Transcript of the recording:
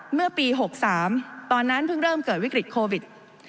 เมื่อปี๖๓ตอนนั้นเพิ่งเริ่มเกิดวิกฤตโควิด